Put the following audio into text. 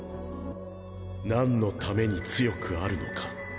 何の為に強く在るのか。